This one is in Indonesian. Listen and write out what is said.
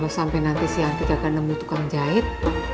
kalau sampai nanti si anti gak akan nemu tukang jahit